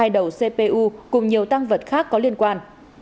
hai đầu cpu cùng nhiều tăng vật khác có liên quan